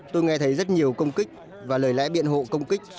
tôi nghe thấy rất nhiều công kích và lời lẽ biện hộ công kích